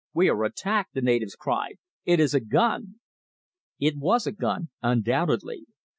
"We are attacked!" the natives cried. "It is a gun!" It was a gun undoubtedly.